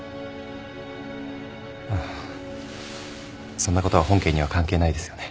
そんなことは本件には関係ないですよね。